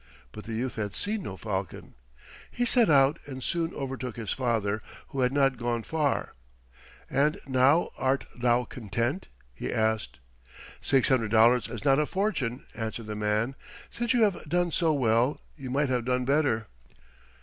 But the youth had seen no falcon. He set out and soon overtook his father, who had not gone far. "And now art thou content?" he asked. "Six hundred dollars is not a fortune," answered the man. "Since you have done so well you might have done better."